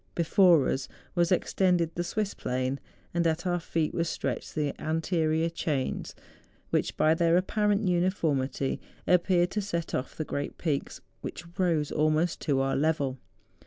Before us was ex¬ tended the Swiss plain, and at our feet were stretched the anterior chains which, by their apparent uni¬ formity, appeared to set off the great peaks which rose almost to our level.